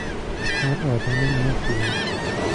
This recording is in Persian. جعفر آدم مخی است